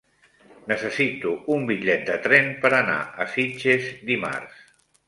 Necessito un bitllet de tren per anar a Sitges dimarts.